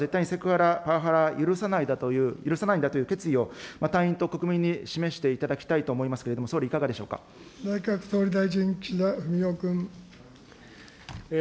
自衛隊では絶対にセクハラ、パワハラは許さないだという、許さないんだという決意を、隊員と国民に示していただきたいと思いますけれども、総理、いかがでしょう内閣総理大臣、岸田文雄君。